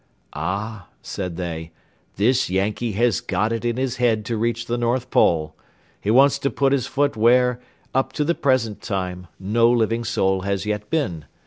"Ah," said they, "this Yankee has got it in his head to reach the North Pole. He wants to put his foot where, up to the present time, no living soul has yet been.